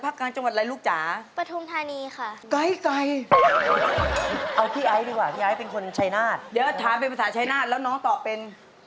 ประสาทเป็นภาษาไชนาศแล้วน้องตอบเป็น